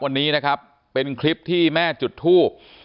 วันนี้นะครับเป็นคลิปที่แม่จุดทูบ